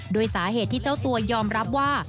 โดยสาเหตุที่เจ้าตัวยอมรับว่า